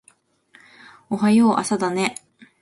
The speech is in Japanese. おはよう朝だね